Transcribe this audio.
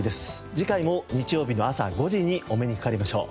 次回も日曜日の朝５時にお目にかかりましょう。